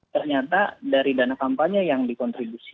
ternyata dari dana kampanye yang dikontribusi